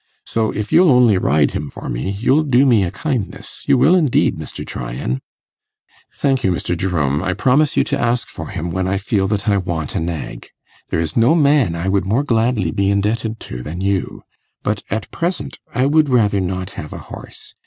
So if you'll only ride him for me, you'll do me a kindness you will, indeed, Mr. Tryan.' 'Thank you, Mr. Jerome. I promise you to ask for him, when I feel that I want a nag. There is no man I would more gladly be indebted to than you; but at present I would rather not have a horse.